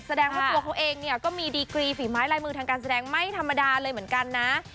แสดงว่าตัวเขาเองเนี่ยก็มีดีกรีฝีไม้ลายมือทางการแสดงไม่ธรรมดาเลยเหมือนกันนะ